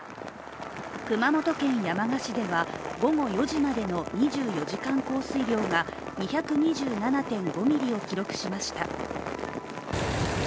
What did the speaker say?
熊本県山鹿市では午後４時までの２４時間降水量が２２７．５ミリを記録しました。